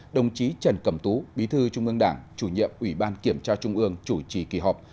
đồng chí trần cẩm tú bí thư trung ương đảng chủ nhiệm ủy ban kiểm tra trung ương chủ trì kỳ họp